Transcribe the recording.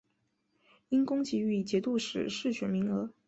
因功给予节度使世选名额。